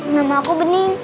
nama aku bening